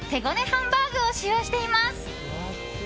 ハンバーグを使用しています。